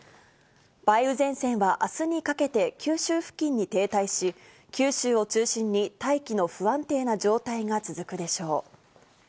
梅雨前線はあすにかけて九州付近に停滞し、九州を中心に大気の不安定な状態が続くでしょう。